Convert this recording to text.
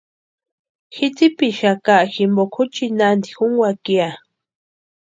Ji tsipixaka jimpoka juchiti naanti junkwaaka ya.